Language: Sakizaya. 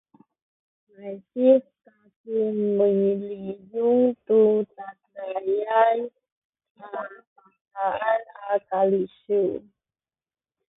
maydih kaku miliyun tu cacayay a bataan a kalisiw